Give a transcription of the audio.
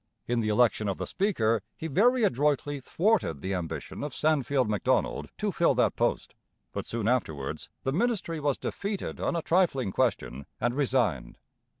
In the election of the Speaker he very adroitly thwarted the ambition of Sandfield Macdonald to fill that post; but, soon afterwards, the ministry was defeated on a trifling question and resigned.